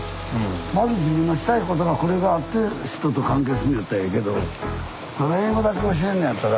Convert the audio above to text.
まず自分がしたいことがこれがあって人と関係するのやったらええけど英語だけ教えるのやったら。